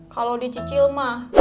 kalau dicicil mak